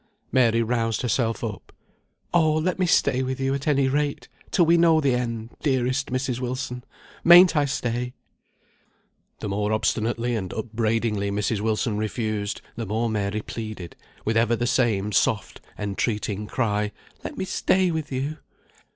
Mary roused herself up. "Oh, let me stay with you, at any rate, till we know the end. Dearest Mrs. Wilson, mayn't I stay?" The more obstinately and upbraidingly Mrs. Wilson refused, the more Mary pleaded, with ever the same soft, entreating cry, "Let me stay with you."